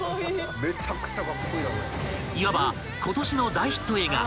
［いわばことしの大ヒット映画